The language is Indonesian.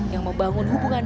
yang membangun perusahaan